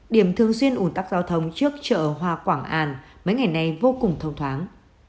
điểm thường xuyên ủn tắc giao thông trước chợ hoa quảng an mấy ngày nay vô cùng thông thoáng